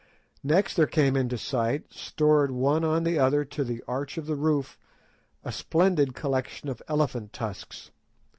Next there came into sight, stored one on the other to the arch of the roof, a splendid collection of elephant tusks.